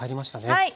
はい。